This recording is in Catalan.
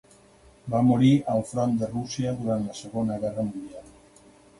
Va morir al front de Rússia durant la Segona Guerra Mundial.